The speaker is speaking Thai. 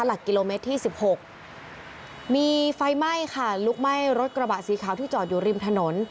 หลักกิโลเมตรที่สิบหกมีไฟไหม้ค่ะลุกไหม้รถกระบะสีขาวที่จอดอยู่ริมถนน